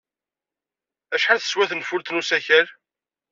Acḥal teswa tenfult n usakal?